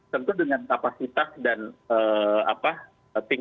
tentu dengan kapasitas dan tingkatan masing masing